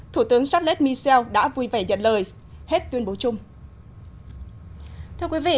thủ tướng charles michel đã vui vẻ nhận lời hết tuyên bố chung